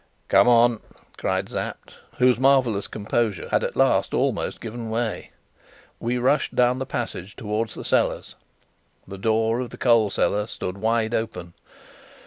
"Come on," cried Sapt, whose marvellous composure had at last almost given way. We rushed down the passage towards the cellars. The door of the coal cellar stood wide open.